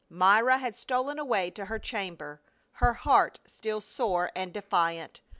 Myra had stolen away to her chamber, her heart still sore and defiant.